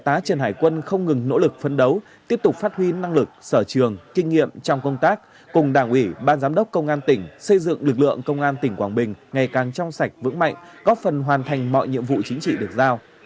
trung tá trần hải quân không ngừng nỗ lực phấn đấu tiếp tục phát huy năng lực sở trường kinh nghiệm trong công tác cùng đảng ủy ban giám đốc công an tỉnh xây dựng lực lượng công an tỉnh quảng bình ngày càng trong sạch vững mạnh góp phần hoàn thành mọi nhiệm vụ chính trị được giao